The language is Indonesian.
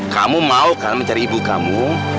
kamu mau kan mencari ibu kamu